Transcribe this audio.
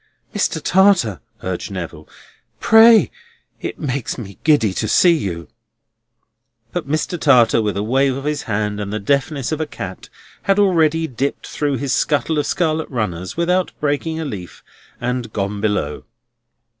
"Mr. Tartar!" urged Neville. "Pray! It makes me giddy to see you!" But Mr. Tartar, with a wave of his hand and the deftness of a cat, had already dipped through his scuttle of scarlet runners without breaking a leaf, and "gone below."